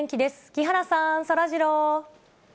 木原さん、そらジロー。